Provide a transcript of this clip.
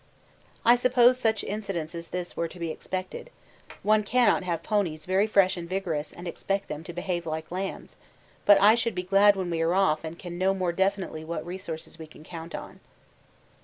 I suppose such incidents as this were to be expected, one cannot have ponies very fresh and vigorous and expect them to behave like lambs, but I shall be glad when we are off and can know more definitely what resources we can count on.